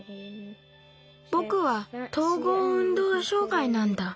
ぼくは統合運動障害なんだ。